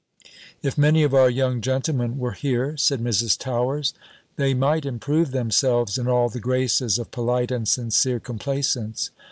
"If many of our young gentlemen, were here," said Mrs. Towers, "they might improve themselves in all the graces of polite and sincere complaisance.